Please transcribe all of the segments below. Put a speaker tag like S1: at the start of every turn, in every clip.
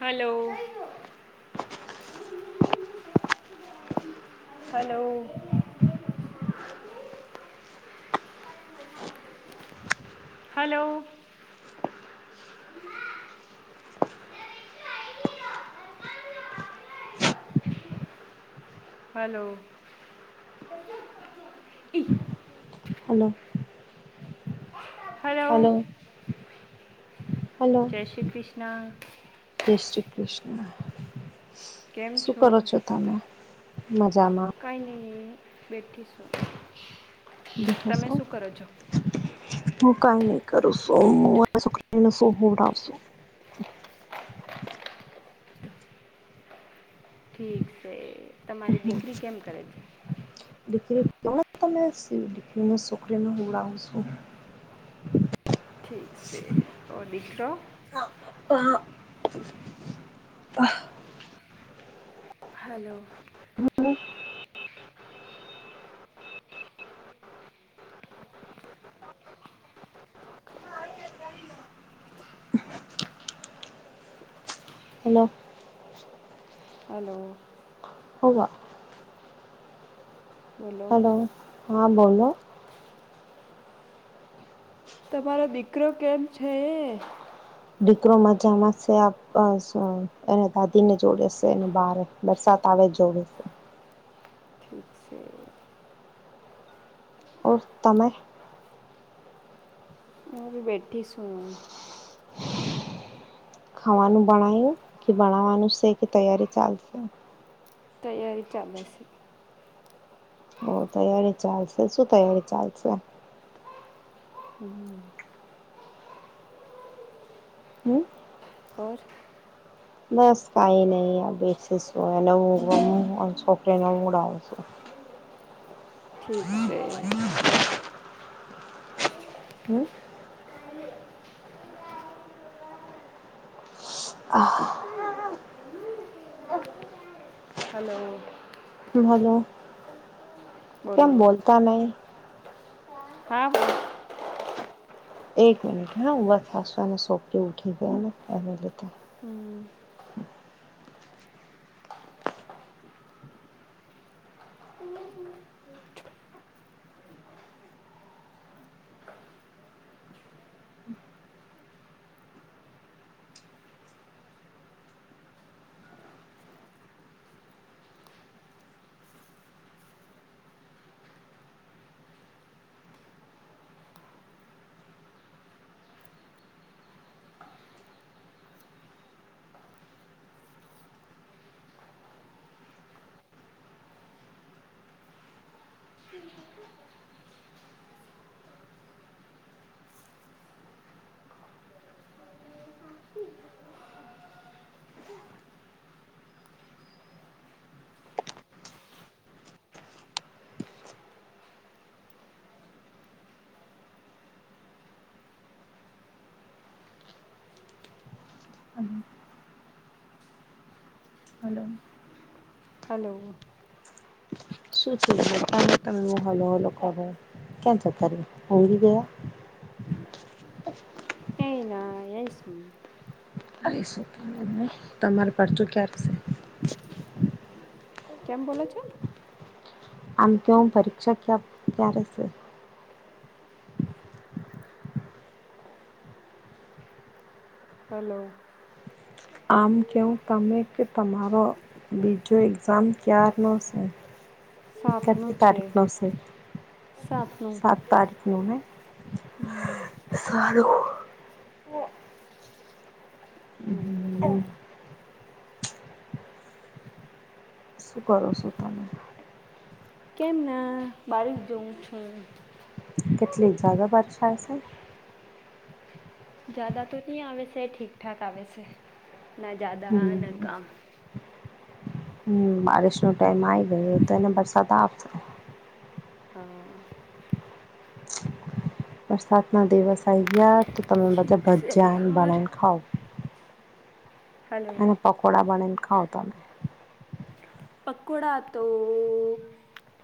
S1: Hello. Hello, hello, hello, ઈ
S2: hello,
S1: hello
S2: hello,
S1: જય શ્રી કૃષ્ણ.
S2: જય શ્રી કૃષ્ણ શું કરો છો, તમે મજામાં,
S1: કાય નહીં બેઠી શું.
S2: બુધો સવ,
S1: તમે કરો છો
S2: હું કઈ નહી કરું છું [inaudible] [unintelligible] ડાવ હુવડામ શું.
S1: ઠીક છે, તમારી દીકરી કેમ કરે છે.
S2: દીકરી કો તમે દીકરી છોકરીને હુઉડાવુ છું.
S1: ઠીક છે, ઓ દીકરો
S2: હા.
S1: હલો.
S2: હલો.
S1: હલો.
S2: હોવા.
S1: બોલો
S2: હાલો હા બોલો.
S1: તમારો દીકરો કેમ છે.
S2: દીકરો મજામાંશે અ પ‌ સહ એને દાદી ને જોડેશે એને બારે બરસાત આવે જોવે સે.
S1: ઠીક છે,
S2: ઓર તમે,
S1: હું બી બેઠી છું.
S2: ખાવાનું બણાયું કે, બણવાનું છે, કે તૈયારી ચાલશે.
S1: તૈયારી ચાલે છે.
S2: ઓ તૈયારી ચાલશે, શું તૈયારી ચાલશે,
S1: હું.
S2: હું.
S1: ઓર.
S2: બસ કાંઈ નહી બેસીશું એને હું, છોકરીને સુવડાવુ છું.
S1: ઠીક છે.
S2: હું. આહા.
S1: હલો.
S2: હલો. કેમ
S1: બોલો
S2: બોલતા નહી
S1: હા બોલો. [unintelligible]
S2: એક મિનિટ હા બસ હાસને સોપડી ઉઠી ગયા ને પમે લેતા.
S1: હમ
S2: હલો.
S1: હલો.
S2: શું છે, તમે હું હાલો હાલો કરો કરો ક્યાં જતા રહ્યા.
S1: કાયના. એશું.
S2: અસ તમારું પાચું ક્યારેંશે.
S1: કેમ બોલો છો.
S2: આમ કું પરીક્ષા ક્યા ક્યારેશે.
S1: હલો.
S2: આમ કહ તમે કે તમારો બીજો એક્ઝામ ક્યાર ન શું. કેટલી તારીખ ન છે
S1: સાતનું
S2: સાત. પરફ્યુને સારું.
S1: હમ
S2: હમ્મ. શું કરો છો તમે?
S1: કેમને બાળક જોઉં છું.
S2: કેટલી જદા બર્ષા છે.
S1: જદા તો નહી આવે છે ઠીકઠાક આવે છે ના જદા ના કામ.
S2: હમ્મ બારિશનો ટાઈમ આવી ગયો તો એને વરસાદ આવશે.
S1: હા.
S2: વરસાદ ના દિવસ આ ગયા તો તમે
S1: ઠીક
S2: બધા
S1: છે
S2: ભજ્યાને
S1: યાર
S2: બન્યને ખાવ.
S1: હલો.
S2: પકોોડા બાન ખાાવતામ.
S1: પકકોડા તો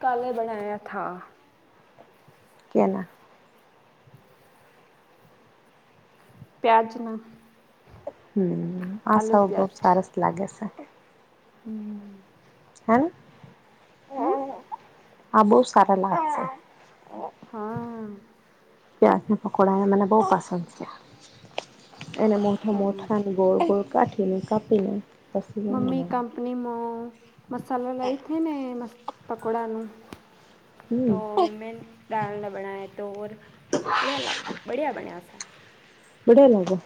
S1: કાલે બનાયા થા.
S2: ના.
S1: પ્યાજના.
S2: હમ્મ આ
S1: આલુ
S2: સૌ બહુ સરસ લાગે છે.
S1: હમ્મ.
S2: હ.
S1: હમ
S2: આ બહુ સારા લાગશે.
S1: હા
S2: પ્યાંજના પકોડા એ મને બહુ પસંદ છે. એને મોઠા
S1: હમ.
S2: મોથન ગોર ગોર કાઠીને કાપીને. પછી
S1: મમ્મી
S2: બનાવાનું
S1: કંપનીમાં મસાલો લઈ થ ને મસ્ પકોડાનું. તો
S2: હમ
S1: વિીમેન ડાલના બનાયા તોર બ લ બઢિયા બન્યાસા.
S2: બડે લાગો.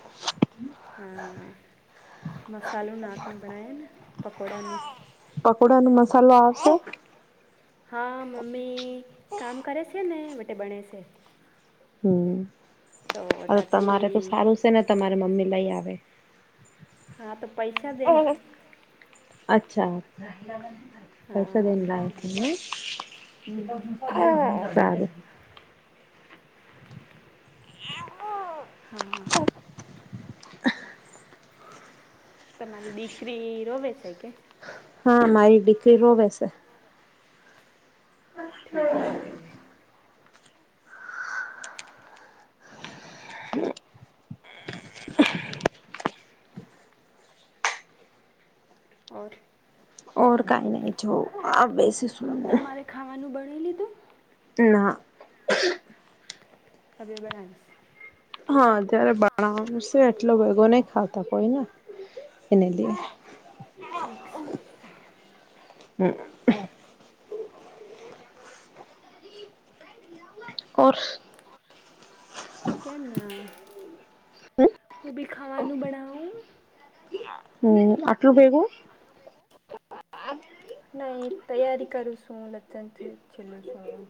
S1: મસાલુ નાકનું બનાયા પકૌડાનું.
S2: પકોડા ન મસાલો આવશે.
S1: હા મમ્મી કામ કરે છે ને વતે બણે છે.
S2: હમ
S1: તો
S2: હવે તમારે તો
S1: વટાતી
S2: સારું છે ને તમારે મમ્મી લઈ આવે.
S1: હા તો પૈસા દેને.
S2: અચ્છા. પૈસા
S1: હા
S2: દન છે
S1: હમ.
S2: સારું.
S1: હા હા. તમારી દીકરી રોવે છે કે?
S2: હા મારી દીકરી રોવે છે.
S1: ઠીક છે. ઓર.
S2: ઓર કાઈ નહીં છો આ બેસી છું.
S1: તમારે ખાવાનું બનાઇ લીધું.
S2: ના.
S1: અભિ બડાસ
S2: હા જ્યારે બણવાનું છે એટલો ભેગો નહીં ખાતા કોઈને એને લી
S1: ઠીક સે.
S2: હ. ઓર.
S1: કેમ ના. હું બી ખાવાનું બનાઉ?
S2: હમ આટલું બેગું
S1: [unintelligible] નહી તૈયારી કરું છું લત છેલું છું.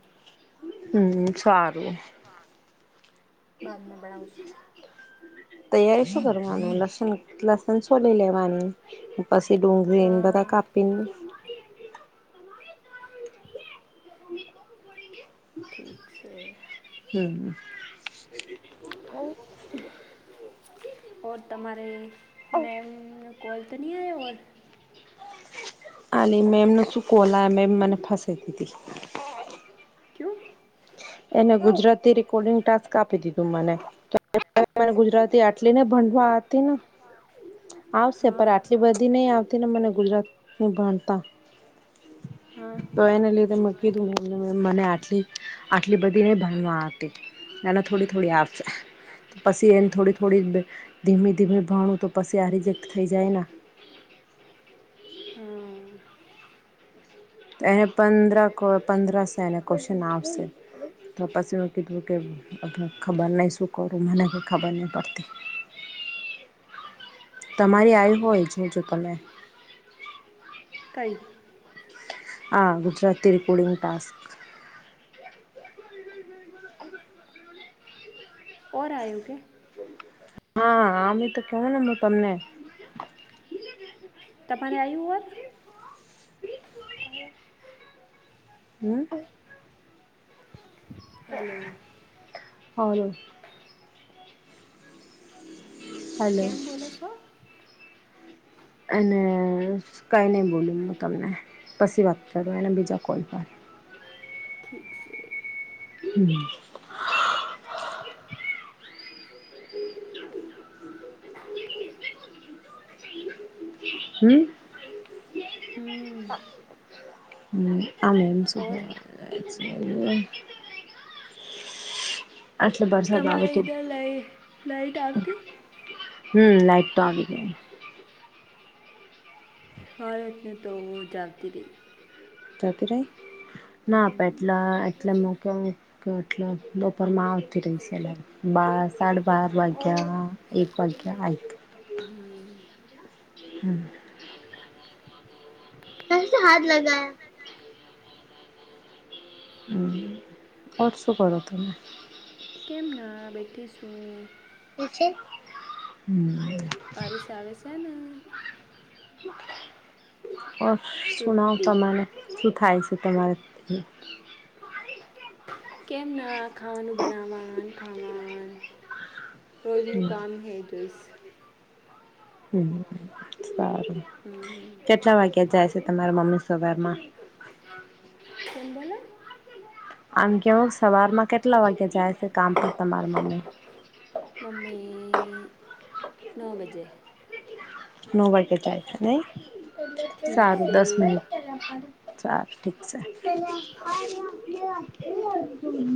S2: હમ્મ સારું.
S1: હા બાદ મે બડા
S2: તૈયારી શું કરવાનું લસણ લસણ છોલી લેવાની પછી ડુંગરીને બધા
S1: હા
S2: કાપીને
S1: ઠીક છે.
S2: હમ.
S1: [unintelligible] ઓર તમારે મેમ નો કોલ તો નહી આયા ઓર?
S2: અને અને મેમનું શું કોલા મેમ મને ફસાઈ દીધી
S1: કયું?
S2: એને ગુજરાતી રેકોર્ડિંગ ટાસ્ક આપી દીધું મને. ને ગુજરાતી આટલીને ભણવા હતી ને આવશે
S1: હા
S2: પણ આટલી બધી નહી આવતી ને મને ગુજરાતી ભણતા
S1: હા.
S2: તો એને લીધે મેં કીધું એમ મને આટલી આટલી બધી ને ભણવા હતી એને થોડી થોડી આવશે. પછી એને થોડી થોડી ધીમે ધીમે ભણું તો પછી આ રિજેક્ટ થઈ જાય ને.
S1: હમમ.
S2: તો એને પંદર પંદરસ એને ક્વેશ્ચન આવશે તો પછી મે કીધું કે ખબર નહી શું કરું મને ખબર નહી પડતી.
S1: ઠીક
S2: તમારી
S1: છે
S2: આવી હોય જોજો તમે.
S1: કઈ?
S2: આ ગુજરાતી રેકોર્ડીગ ટાસ્ક.
S1: ઓર આયોકે?
S2: હા આમ તો કેવું ને હું તમને
S1: [unintelligible] તમારે આયુ હો?
S2: હમ.
S1: Hello
S2: hello. હલો
S1: કેમ બોલો છો?
S2: અને કાંઈ નહીં બોલ્યું હું તમને પછી વાત કરું એના બીજા કોલ પર.
S1: ઠીક છે.
S2: હમ.
S1: [inaudible]
S2: હમ.
S1: હમમ.
S2: આમ એમ [unintelligible] આટલે વરસાદ આવે
S1: તમારે
S2: તો
S1: ઇધર લાઈ લાઈટ આવતી?
S2: હમ લાઈટ તો આવી ગઈ.
S1: હારે ત્યાં તો જાગતીતી.
S2: [unintelligible] ના આપે એટલા એટલે મકે એટલે બપોરમાં આવતી રહીશ એ બાર સાડા બાર વાગ્યા એક વાગ્યા આઇ
S1: હમ
S2: હમ કેસે હાથ લગાયા? હમમ ઓર શું કરો તમે?
S1: કેમ ના બેઠીસું.
S2: ઠીક છે. હમ [unintelligible]
S1: બારિશ આવે શે ને?
S2: ઔર
S1: તો
S2: સુનાવ
S1: દેખ
S2: તમને શું થાય છે તમારે?
S1: [inaudible] કેમ ના ખાવાનું બનાવાન ખાવાન? રોજનુ
S2: હમ
S1: કામ હે એ જોઈશ.
S2: હ સારું
S1: હમ્મ
S2: કેટલા વાગ્યા જાય છે તમારા મમ્મી સવારમાં?
S1: કોણ બોલો?
S2: આમ કેવુ સવારમાં કેટલા વાગ્યે જાય છે કામ પર તમારા મમ્મી?
S1: મમ્મી નવ બજે.
S2: નવ વાગે જાય છે નઈ
S1: ઠીક
S2: સારું
S1: છે
S2: દસ મિનિટ. ચાલ ઠીક છે.